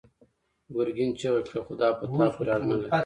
ګرګين چيغه کړه: خو دا په تا پورې اړه نه لري!